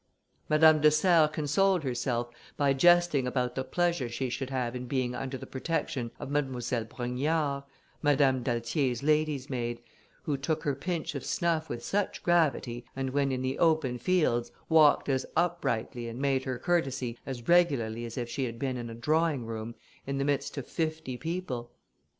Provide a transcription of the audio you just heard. Madame de Serres consoled herself by jesting about the pleasure she should have in being under the protection of Mademoiselle Brogniard, Madame d'Altier's lady's maid, who took her pinch of snuff with such gravity, and when in the open fields, walked as uprightly, and made her courtesy as regularly as if she had been in a drawing room, in the midst of fifty people.